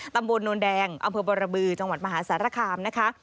ตำรวจถามนี่นะคะง